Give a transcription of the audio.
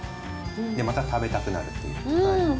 また食べたくなるっていう。